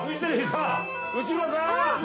内村さん。